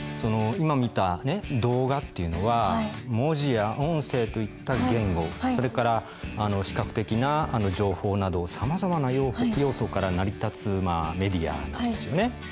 今見た動画っていうのは文字や音声といった言語それから視覚的な情報などさまざまな要素から成り立つメディアなんですよね。